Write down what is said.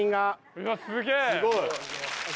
うわすげぇ！